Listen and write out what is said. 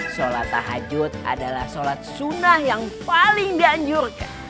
sholat tahajud adalah sholat sunnah yang paling dianjurkan